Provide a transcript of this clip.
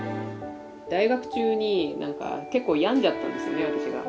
大学中になんか結構病んじゃったんですよね私が。